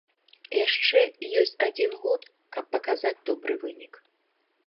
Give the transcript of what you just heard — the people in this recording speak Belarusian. Яшчэ ёсць адзін год, каб паказаць добры вынік.